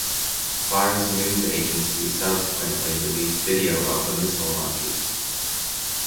Fars News Agency subsequently released video of the missile launches.